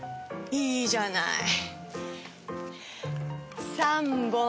いいじゃない。